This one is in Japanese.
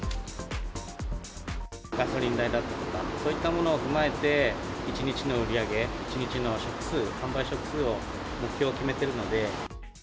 ガソリン代だとか、そういったものを踏まえて、１日の売り上げ、１日の食数、販売目標を決めているので。